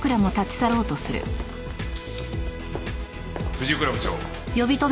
藤倉部長。